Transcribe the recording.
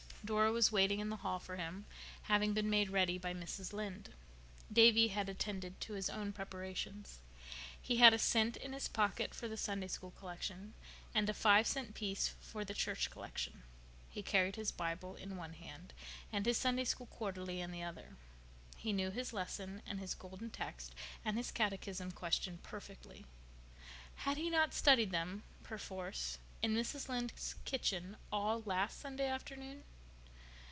Dora was waiting in the hall for him, having been made ready by Mrs. Lynde. Davy had attended to his own preparations. He had a cent in his pocket for the Sunday School collection, and a five cent piece for the church collection; he carried his Bible in one hand and his Sunday School quarterly in the other; he knew his lesson and his Golden Text and his catechism question perfectly. Had he not studied them—perforce—in Mrs. Lynde's kitchen, all last Sunday afternoon?